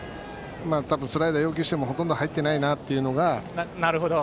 多分、スライダーを要求してもほとんど入ってないなというので。